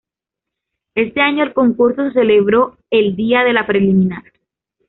Este año el concurso, se celebró el día de la preliminar.